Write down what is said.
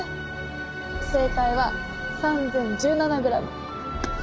正解は３０１７グラム。